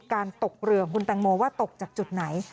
การตกเรือของคุณแตงโมว่าตกจากจุดไหน